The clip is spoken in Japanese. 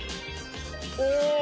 お！